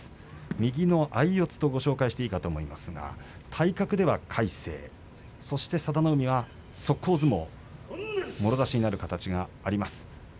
右の相四つとご紹介していいかと思いますが、体格では魁聖佐田の海は速攻相撲もろ差しになる形があります。